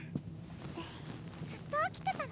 ずっと起きてたの？